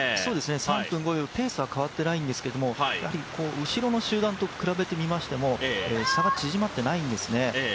３分５秒ペースは変わっていないんですけれども後ろの集団と比べてみましても差が縮まっていないんですね。